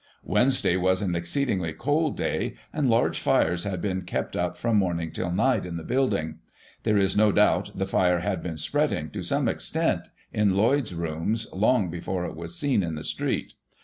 Wednesday was an exceedingly cold day, and large fires had been kept up from morning till night in the building. There is no doubt the fire had been spreading, to some extent, in Lloyd's rooms, long before it was seen in the street.